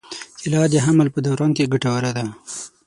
کېله د حمل په دوران کې ګټوره ده.